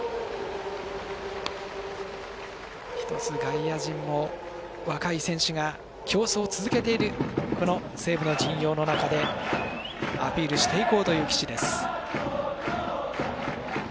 １つ、外野陣も若い選手が競争を続けているこの西武の陣容の中でアピールしていこうという岸です。